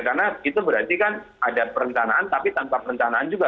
karena itu berarti kan ada perencanaan tapi tanpa perencanaan juga